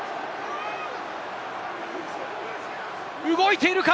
動いているか？